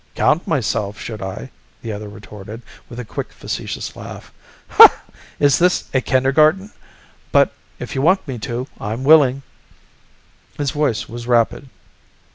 "Count myself, should I?" the other retorted with a quick facetious laugh. "Is this a kindergarten? But if you want me to, I'm willing." His voice was rapid.